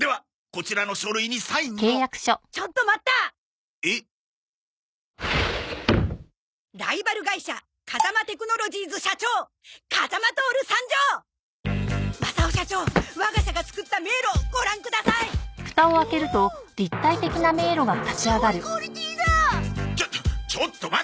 ちょちょっと待て！